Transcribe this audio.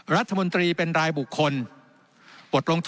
รัฐมนตรีเป็นรายบุคคล